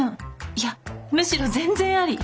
いやむしろ全然アリ。